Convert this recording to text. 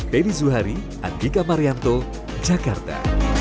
dedy zuhari anggika marianto jakarta